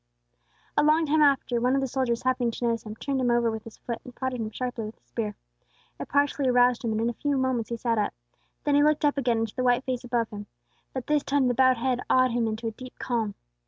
A long time after, one of the soldiers happening to notice him, turned him over with his foot, and prodded him sharply with his spear. It partially aroused him, and in a few moments he sat up. Then he looked up again into the white face above him; but this time the bowed head awed him into a deep calm.